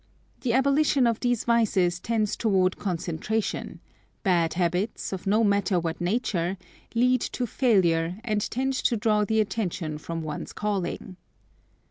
The abolition of these vices tends toward concentration; bad habits, of no matter what nature lead to failure and tend to draw the attention from one's calling.